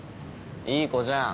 いい子じゃん。